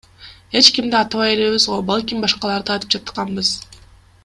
Эч кимди атабай элебиз го, балким башкаларды айтып жатканбыз.